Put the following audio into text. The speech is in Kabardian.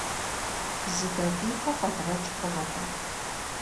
Зы дакъикъэ фӀэдгъэкӀ хъунукъым.